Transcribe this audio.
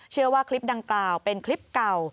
เชื่อว่าคลิปดังกล่าวเป็นคลิปเก่า